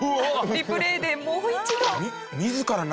リプレイでもう一度。